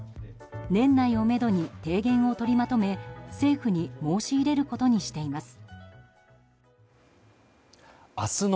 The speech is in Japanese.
年内をめどに提言を取りまとめ政府に申し入れることにしています。